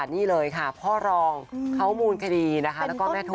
นี่เลยค่ะพ่อรองเขามูลคดีแล้วก็แม่ถุ่ม